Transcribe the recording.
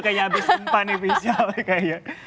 kayaknya abis tempat nih fisyal